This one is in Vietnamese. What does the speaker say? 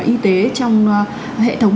y tế trong hệ thống